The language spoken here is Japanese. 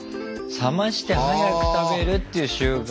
冷まして早く食べるっていう習慣。